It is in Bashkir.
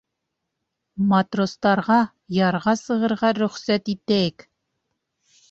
Матростарға ярға сығырға рөхсәт итәйек.